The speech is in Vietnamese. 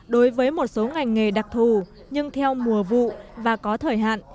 đối với một số ngành nghề đặc thù nhưng theo mùa vụ và có thời hạn